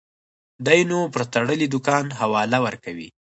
دى نو پر تړلي دوکان حواله ورکوي.